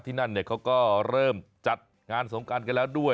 ที่นั่นเขาก็เริ่มจัดงานสงการกันแล้วด้วย